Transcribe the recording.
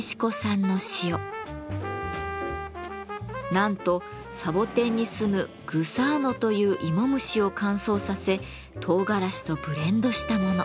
なんとサボテンにすむグサーノという芋虫を乾燥させトウガラシとブレンドしたもの。